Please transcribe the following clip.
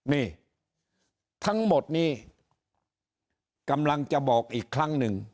นี่ทั้งหมดนี้กำลังจะบอกอีกครั้งหนึ่ง